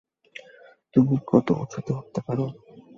তুমি কত উচুতে উঠতে পারো?